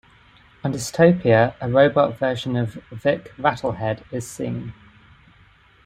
On "Dystopia", a robot version of Vic Rattlehead is seen.